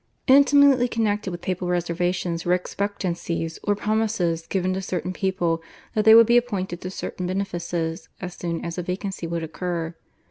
Intimately connected with papal reservations were expectancies or promises given to certain persons that they would be appointed to certain benefices as soon as a vacancy would occur.